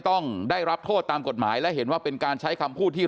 ต้องได้รับโทษตามกฎหมายและเห็นว่าเป็นการใช้คำพูดที่